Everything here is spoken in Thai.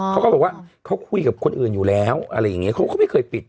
เขาก็บอกว่าเขาคุยกับคนอื่นอยู่แล้วอะไรอย่างนี้เขาก็ไม่เคยปิด